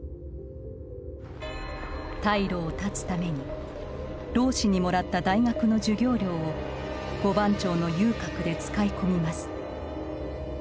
退路を断つために老師にもらった大学の授業料を五番町の遊郭で使い込みます